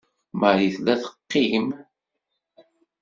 Marie tella teqqim.